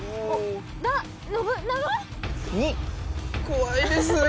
怖いです。